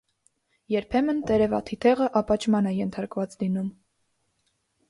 Երբեմն տերևաթիթեղը ապաճման է ենթարկված լինում։